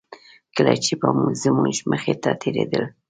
کله چې به زموږ مخې ته تېرېدل.